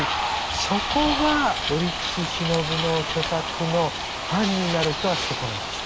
そこが折口信夫の著作のファンになる人はそこなんですね。